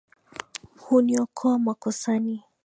Huniokoa makosani;